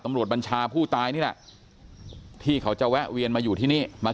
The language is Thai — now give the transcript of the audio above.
บัญชาผู้ตายนี่แหละที่เขาจะแวะเวียนมาอยู่ที่นี่มา